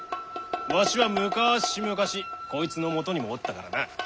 わしはむかしむかしこいつのもとにもおったからな。